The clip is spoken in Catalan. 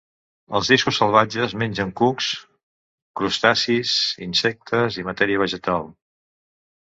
Els discos salvatges mengen cucs, crustacis, insectes i matèria vegetal.